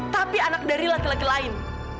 tapi anak dari laki laki lain